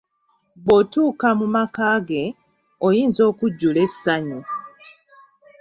Bw’otuuka mu maka ge, oyinza okujjula essanyu.